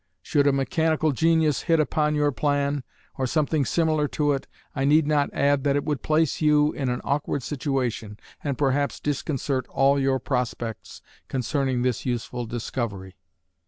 Should a mechanical genius hit upon your plan, or something similar to it, I need not add that it would place you in an awkward situation and perhaps disconcert all your prospects concerning this useful discovery....